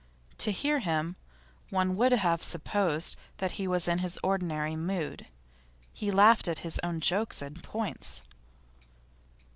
To hear him one would have supposed that he was in his ordinary mood; he laughed at his own jokes and points.